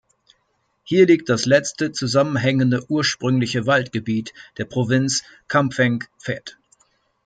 Hier liegt das letzte zusammenhängende ursprüngliche Waldgebiet der Provinz Kamphaeng Phet.